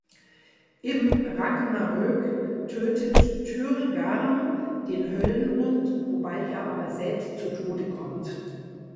Im Ragnarök tötet Tyr Garm, den Höllenhund, wobei er aber selbst zu Tode kommt.